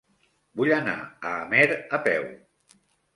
Vull anar a Amer a peu.